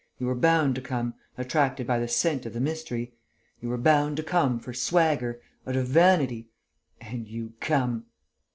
You were bound to come, attracted by the scent of the mystery. You were bound to come, for swagger, out of vanity! And you come!"